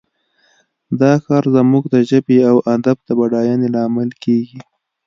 دا کار زموږ د ژبې او ادب د بډاینې لامل کیږي